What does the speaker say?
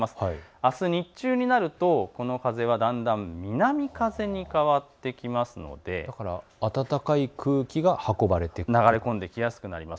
あす日中になるとこの風はだんだん南風に変わってきますので暖かい空気が流れ込んできやすくなります。